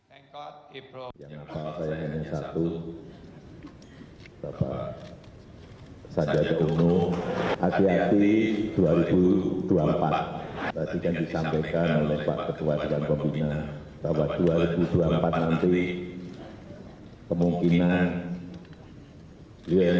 dalam sambutannya presiden menyinggung sok sok penggantinya di tahun dua ribu dua puluh empat nanti bisa saja dari kalangan hipmi sandiaga uno